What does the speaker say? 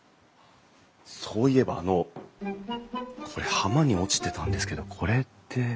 そういえばあのこれ浜に落ちてたんですけどこれって。